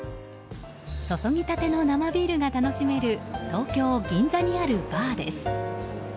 注ぎたての生ビールが楽しめる東京・銀座にあるバーです。